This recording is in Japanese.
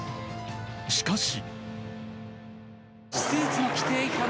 しかし。